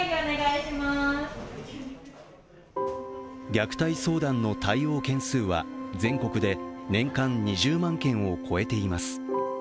虐待相談の対応件数は全国で年間２０万件を超えています。